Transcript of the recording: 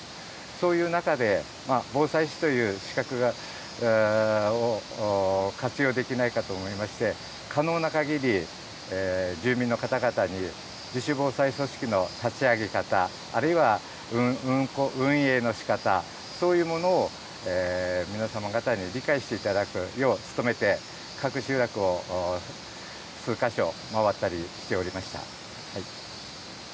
そういう中で、防災士という資格を活用できないかと思いまして、可能なかぎり、住民の方々に、自主防災組織の立ち上げ方、あるいは運営のしかた、そういうものを皆様方に理解していただくよう努めて、各集落を数か所回ったりしておりました。